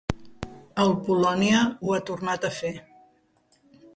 El Polònia ho ha tornat a fer.